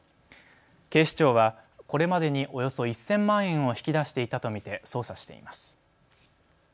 警視庁はこれまでにおよそ１０００万円を引き出していたと見て捜査しています。